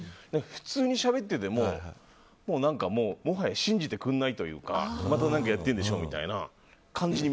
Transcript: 普通にしゃべっていても何かもはや信じてくれないというかまた何かやってるんでしょみたいな感じで。